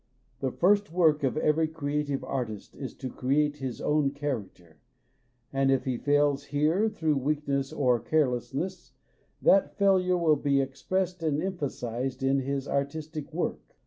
The first work of every creative artist is to create his own character, and if he fails here through weakness or carelessness, that failure will be expressed and emphasized in his artistic work.